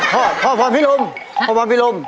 พ่อพ่อพรพิรมพ่อพรพิรม